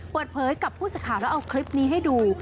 เปิดเผยกับผู้สื่อข่าวแล้วเอาคลิปนี้ให้ดู